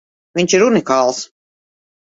Viņš ir unikāls!